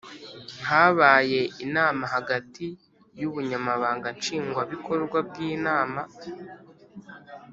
Habaye inama hagati y Ubunyamabanga Nshingwabikorwa bw Inama